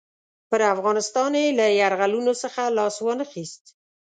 پر افغانستان یې له یرغلونو څخه لاس وانه خیست.